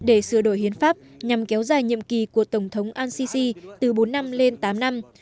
để sửa đổi hiến pháp nhằm kéo dài nhiệm kỳ của tổng thống al sisi từ bốn năm lên tám năm